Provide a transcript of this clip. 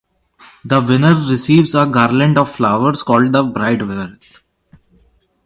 The winner receives a garland of flowers called the bride-wreath.